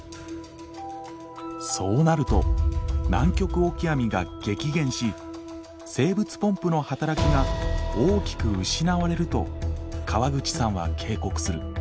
そうなるとナンキョクオキアミが激減し生物ポンプの働きが大きく失われると川口さんは警告する。